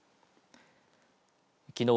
きのう